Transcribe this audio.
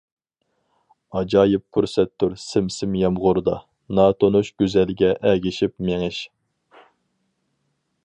ئاجايىپ پۇرسەتتۇر سىم-سىم يامغۇردا، ناتونۇش گۈزەلگە ئەگىشىپ مېڭىش.